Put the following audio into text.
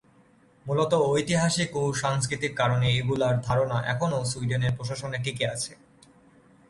মূলত ঐতিহাসিক ও সাংস্কৃতিক কারণে এগুলোর ধারণা এখনো সুইডেনের প্রশাসনে টিকে আছে।